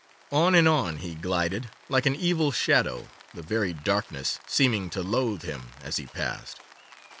On and on he glided, like an evil shadow, the very darkness seeming to loathe him as he passed.